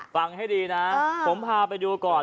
ฟังให้ดีนะผมพาไปดูก่อน